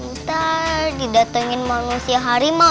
ntar didatengin manusia harimau